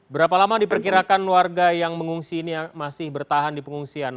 berapa lama diperkirakan warga yang mengungsi ini masih bertahan di pengungsian